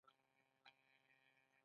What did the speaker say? د M-تیوري یوولس ابعاد لري.